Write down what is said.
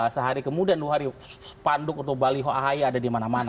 sehari kemudian dua hari panduk untuk baliho ahy ada dimana mana